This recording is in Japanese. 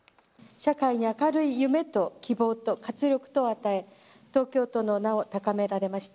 社会に明るい夢と希望と活力とを与え、東京都の名を高められました。